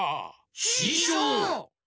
ししょう！